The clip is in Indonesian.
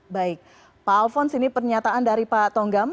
baik pak alphonse ini pernyataan dari pak tonggam